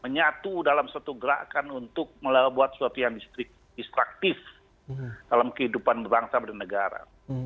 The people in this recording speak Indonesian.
menyatu dalam suatu gerakan untuk melakukan sesuatu yang distraktif dalam kehidupan bangsa dan negara